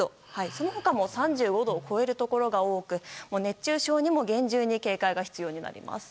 その他も３５度を超えるところが多く熱中症にも厳重に警戒が必要になります。